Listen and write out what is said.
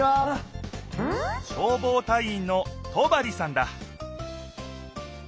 消防隊員の戸張さんだ